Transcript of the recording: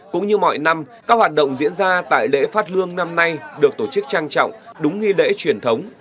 cũng như mọi năm các hoạt động diễn ra tại lễ phát lương năm nay được tổ chức trang trọng đúng nghi lễ truyền thống